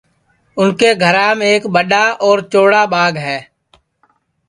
اُن کے گھرام ایک ٻڈؔا اور چوڑا ٻاگ ہے